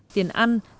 tiền ăn tiền quần ăn